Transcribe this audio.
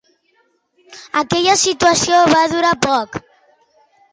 Aquella situació va durar poc?